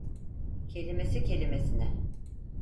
Kelimesi kelimesine.